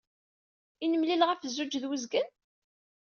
I nemlil ɣef zzuj ed wezgen?